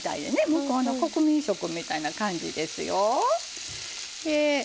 向こうの国民食みたいな感じですよ。